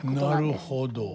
なるほど。